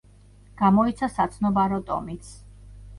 გამოიცა საცნობარო ტომიც.